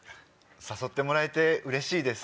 誘ってもらえてうれしいです。